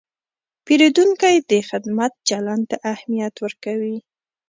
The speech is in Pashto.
پیرودونکی د خدمت چلند ته اهمیت ورکوي.